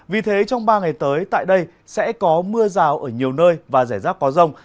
vì thế trong ba ngày tới tại đây sẽ có mưa rào ở nhiều nơi và rải rác có rông